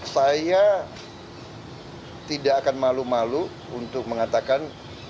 saya tidak akan malu malu untuk mengatakan